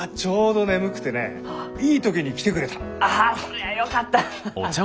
ああそりゃあよかった！